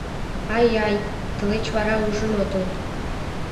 — Ай-ай, тылеч, вара ужын отыл!..